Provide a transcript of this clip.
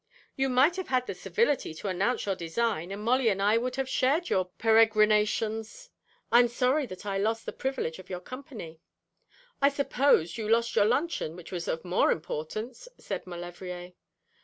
'You might have had the civility to announce your design, and Molly and I would have shared your peregrinations.' 'I am sorry that I lost the privilege of your company.' 'I suppose you lost your luncheon, which was of more importance,' said Maulevrier.